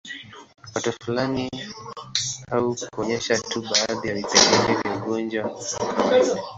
Watu fulani au kuonyesha tu baadhi ya vipengele vya ugonjwa wa kawaida